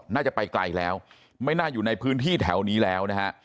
น่าจะไปไกลแล้วไม่น่าอยู่ในพื้นที่แถวนี้แล้วนะฮะ